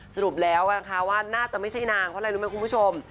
สรุปแล้วนะคะว่าน่าจะไม่ใช่นางเพราะอะไรรู้ไหมคุณผู้ชม